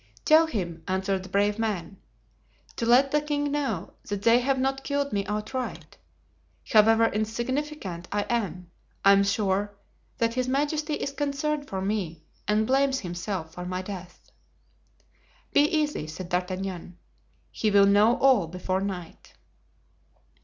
"Tell him," answered the brave man, "to let the king know that they have not killed me outright. However insignificant I am, I am sure that his majesty is concerned for me and blames himself for my death." "Be easy," said D'Artagnan, "he will know all before night."